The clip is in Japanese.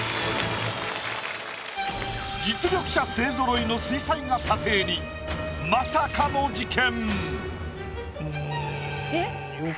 実力者勢揃いの水彩画査定にまさかの事件！